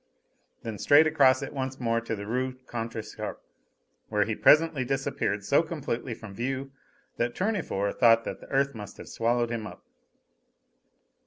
Then straight across it once more to the Rue Contrescarpe, where he presently disappeared so completely from view that Tournefort thought that the earth must have swallowed him up.